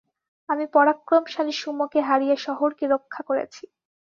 আমি পরাক্রমশালী সুমোকে হারিয়ে শহরকে রক্ষা করেছি।